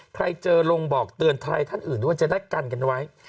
ใครเจอลงบอกเตือนไทยท่านอื่นด้วยว่าจะได้กันกันไว้